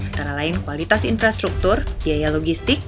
antara lain kualitas infrastruktur biaya logistik